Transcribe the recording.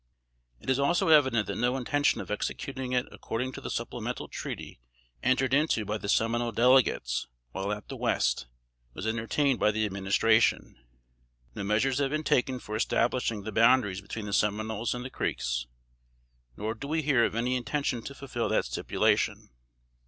It is also evident that no intention of executing it according to the supplemental treaty entered into by the Seminole Delegates while at the West, was entertained by the Administration. No measures had been taken for establishing the boundaries between the Seminoles and the Creeks; nor do we hear of any intention to fulfill that stipulation.